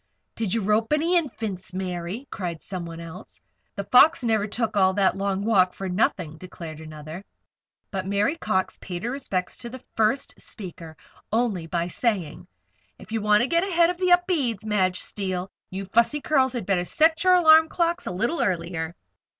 "Did you rope any Infants, Mary?" cried somebody else. "'The Fox' never took all that long walk for nothing," declared another. But Mary Cox paid her respects to the first speaker only, by saying: "If you want to get ahead of the Upedes, Madge Steele, you Fussy Curls had better set your alarm clocks a little earlier."